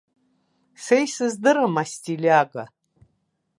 Са исыздырам астилиага.